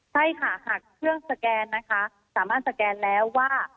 ใช่ค่ะหากเครื่องสแกนนะคะสามารถสแกนแล้วว่า